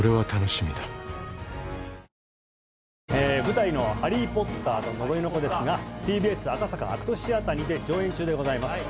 「ＮＯＮＩＯ」舞台の「ハリー・ポッターと呪いの子」ですがＴＢＳ赤坂ＡＣＴシアターにて上演中でございます